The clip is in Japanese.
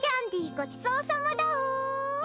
ごちそうさまだお！